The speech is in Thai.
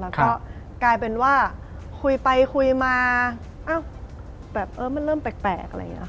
แล้วก็กลายเป็นว่าคุยไปคุยมาแบบเออมันเริ่มแปลกอะไรอย่างนี้ค่ะ